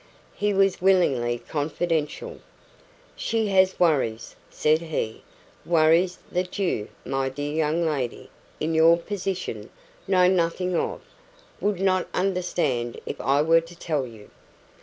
He was willingly confidential. "She has worries," said he "worries that you, my dear young lady, in YOUR position, know nothing of would not understand if I were to tell you."